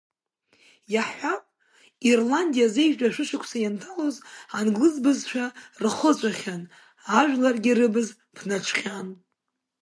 Иаҳҳәап, Ирландиа азежәтәи ашәышықәса ианҭалоз англыз бызшәа рхыҵәахьан, ажәларгьы рыбз ԥнаҽхьан.